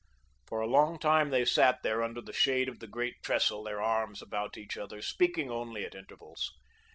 For a long time they sat there under the shade of the great trestle, their arms about each other, speaking only at intervals.